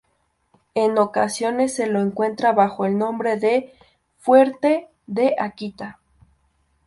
En ocasiones se lo encuentra bajo el nombre de "Fuerte de Akita".